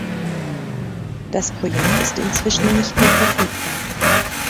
Das Projekt ist inzwischen nicht mehr verfügbar.